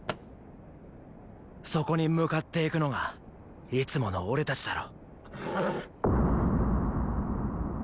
そこに向かって行くのがいつもの俺たちだろ。